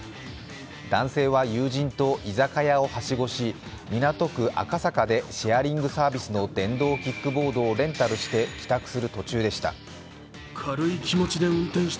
男性は友人と居酒屋をはしごし、港区赤坂でシェアリングサービスの電動キックボードをレンタルして帰宅する途中でした。